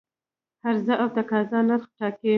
عرضه او تقاضا نرخ ټاکي